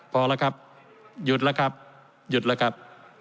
พอแล้วครับหยุดแล้วครับหยุดแล้วครับ